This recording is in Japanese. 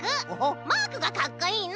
マークがかっこいいの！